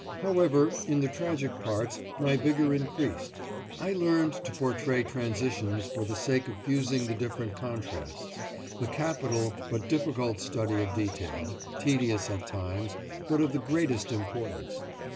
However, in the tragic parts, my vigour increased. I learned to portray transitions for the sake of fusing the different contrasts; a capital but difficult study of detail, tedious at times, but of the greatest importance.